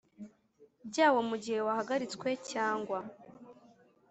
byawo mu gihe wahagaritswe cyangwa